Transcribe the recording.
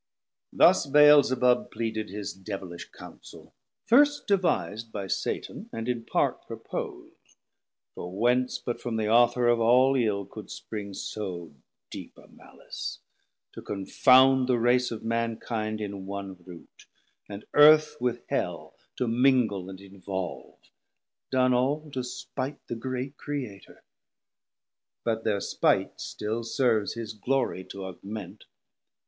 Thus Beelzebub Pleaded his devilish Counsel, first devis'd By Satan, and in part propos'd: for whence, 380 But from the Author of all ill could Spring So deep a malice, to confound the race Of mankind in one root, and Earth with Hell To mingle and involve, done all to spite The great Creatour? But thir spite still serves His glory to augment.